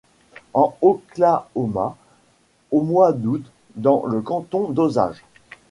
En Oklahoma, au mois d'août dans le canton d'Osage.